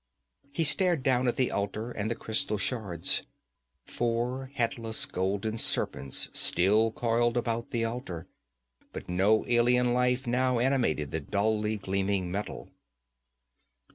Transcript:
He stared down at the altar and the crystal shards. Four headless golden serpents still coiled about the altar, but no alien life now animated the dully gleaming metal.